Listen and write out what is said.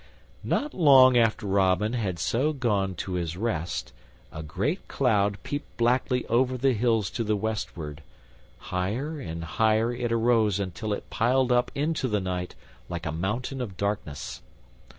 Not long after Robin had so gone to his rest a great cloud peeped blackly over the hills to the westward. Higher and higher it arose until it piled up into the night like a mountain of darkness.